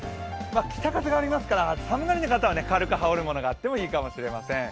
北風がありますから寒がりの方は軽く羽織るものがあってもいいかもしれません。